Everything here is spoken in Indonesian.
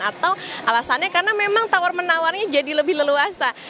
atau alasannya karena memang tawar menawarnya jadi lebih leluasa